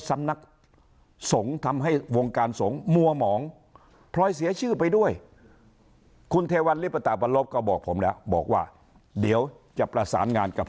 สำนักสงฆ์ทำให้วงการสงฆ์มัวหมองพลอยเสียชื่อไปด้วยคุณเทวัลลิปตาบรรลบก็บอกผมแล้วบอกว่าเดี๋ยวจะประสานงานกับ